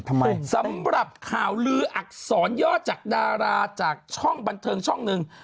สำหรับข่าวลืออักษรยอดจากดาราจากช่องบันเทิงช่องหนึ่ง